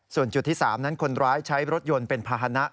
ส่วนจุดที่๓นั้นคนร้ายใช้รถยนต์เป็นภาษณะ